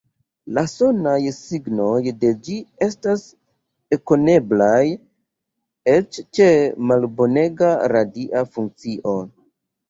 La sonaj signoj de ĝi estas ekkoneblaj eĉ ĉe malbonega radia funkcio.